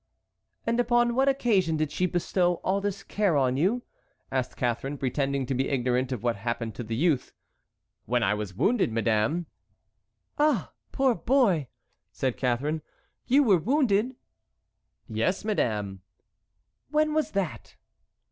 "And upon what occasion did she bestow all this care on you?" asked Catharine, pretending to be ignorant of what had happened to the youth. "When I was wounded, madame." "Ah, poor boy!" said Catharine, "you were wounded?" "Yes, madame." "When was that?"